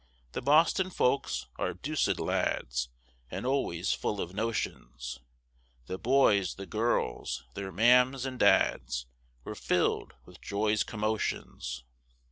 The Boston folks are deuced lads, And always full of notions; The boys, the girls, their mams and dads, Were fill'd with joy's commotions.